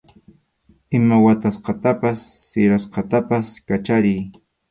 Ima watasqatapas sirasqatapas kachariy.